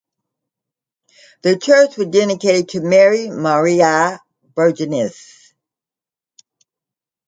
The church was dedicated to Mary ("Mariae Virginis").